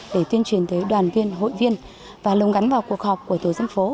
để tuyên truyền tới đoàn viên hội viên và lồng gắn vào cuộc họp của tổ dân phố